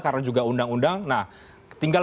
karena juga undang undang nah tinggal